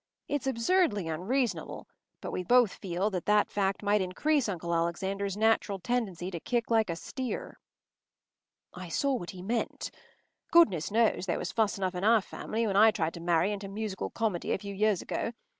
It’s absurdly unreasonable, but we both feel that that fact might increase Uncle Alexander’s natural tendency to kick like a steer.” I saw what he meant. Goodness knows there was fuss enough in our family when I tried to marry into musical comedy a few years ago.